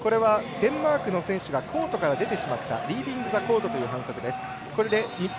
デンマークの選手がコートから出てしまったリービングザコートという反則。